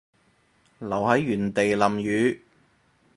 留喺原地淋雨